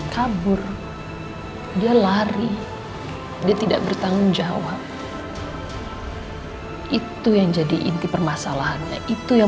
kabur dia lari dia tidak bertanggung jawab itu yang jadi inti permasalahannya itu yang